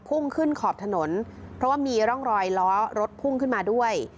พุ่งขึ้นขอบถนนเพราะว่ามีร่องรอยล้อรถพุ่งขึ้นมาด้วย